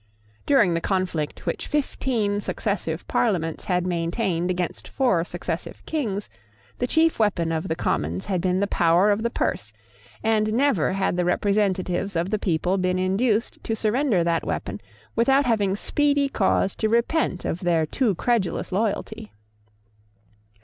During the conflict which fifteen successive Parliaments had maintained against four successive Kings, the chief weapon of the Commons had been the power of the purse; and never had the representatives of the people been induced to surrender that weapon without having speedy cause to repent of their too credulous loyalty.